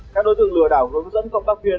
các đối tượng lừa đảo hướng dẫn công tác viên